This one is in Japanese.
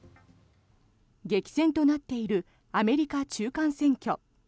激戦となっているアメリカ中間選挙。